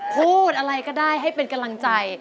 พูดอะไรก็ได้ให้เป็นกำลังใจ